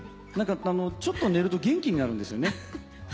何かちょっと寝ると元気になるんですよね。